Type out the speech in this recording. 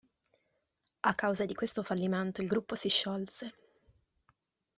A causa di questo fallimento il gruppo si sciolse.